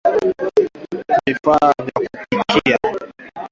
Vifaa vya kupikia